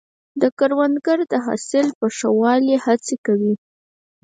کروندګر د حاصل په ښه والي هڅې کوي